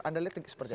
anda lihat seperti apa